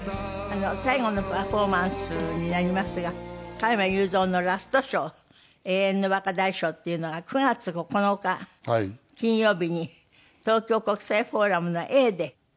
最後のパフォーマンスになりますが「加山雄三ラストショー永遠の若大将」っていうのが９月９日金曜日に東京国際フォーラムのＡで。